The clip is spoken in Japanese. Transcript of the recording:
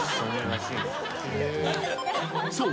［そう。